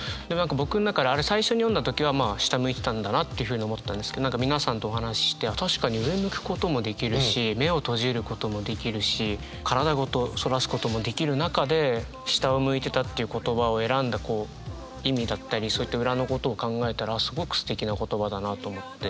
僕の中であれ最初に読んだ時はまあ下向いてたんだなというふうに思ったんですけど何か皆さんとお話しして確かに上向くこともできるし目を閉じることもできるし体ごとそらすこともできる中で「下を向いてた」っていう言葉を選んだ意味だったりそういった裏のことを考えたらすごくすてきな言葉だなと思って。